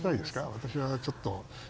私はちょっと。